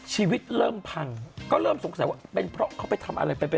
ชีวิตเริ่มพังก็เริ่มสงสัยว่าเป็นเพราะเขาไปทำอะไรไป